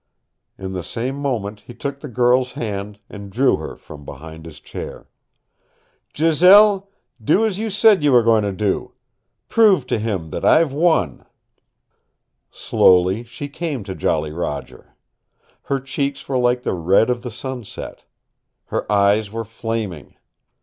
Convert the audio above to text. In the same moment he took the girl's hand and drew her from behind his chair. "Giselle, do as you said you were going to do. Prove to him that I've won." Slowly she came to Jolly Roger. Her cheeks were like the red of the sunset. Her eyes were flaming.